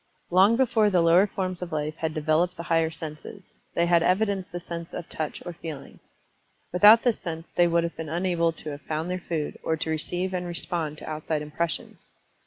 Long before the lower forms of life had developed the higher senses, they had evidenced the sense of Touch or Feeling. Without this sense they would have been unable to have found their food, or to receive and respond to outside impressions.